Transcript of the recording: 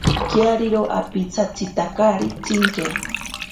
Kiario ipasatzikari tsinke.